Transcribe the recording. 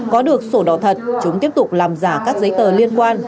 có được sổ đỏ thật chúng tiếp tục làm giả các giấy tờ liên quan